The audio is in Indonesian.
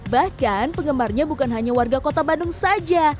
bahkan penggemarnya bukan hanya warga kota bandung saja